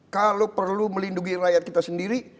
kalau perlu melindungi rakyat kita sendiri